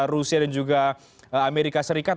rusia dan juga amerika serikat